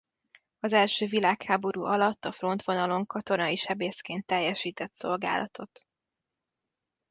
Az első világháború alatt a frontvonalon katonai sebészként teljesített szolgálatot.